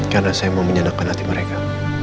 karena saya mau menyenangkan hati mereka